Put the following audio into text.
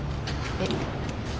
えっ？